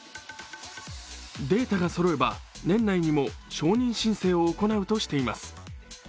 データがそろえば年内にも承認申請を行うとしています。